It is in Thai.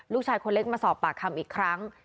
ลูกชายคนเล็กมาสอบปากคำอีกครั้ง